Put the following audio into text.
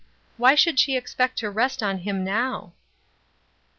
Why should she expect to rest on him now